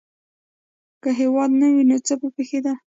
که هډوکي نه وی نو څه به پیښیدل